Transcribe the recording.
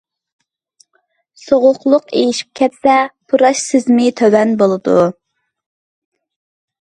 سوغۇقلۇق ئېشىپ كەتسە پۇراش سېزىمى تۆۋەن بولىدۇ.